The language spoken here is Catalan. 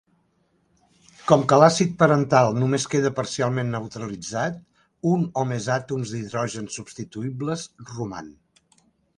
Com que l'àcid parental només queda parcialment neutralitzat, un o més àtoms d'hidrogen substituïbles roman.